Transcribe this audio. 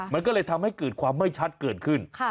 มันก็เลยทำให้เกิดความไม่ชัดเกิดขึ้น